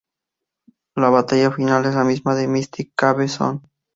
La batalla final es la misma de Mystic Cave Zone.